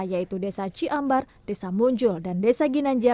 yaitu desa ciambar desa mabung dan desa kedengar